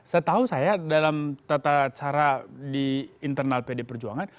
setahu saya dalam tata cara di internal pd perjuangan